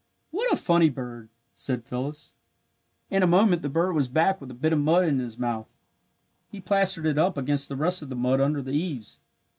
"What a funny bird!" said Phyllis. In a moment the bird was back with a bit of mud in his mouth. He plastered it up against the rest of the mud under the eaves.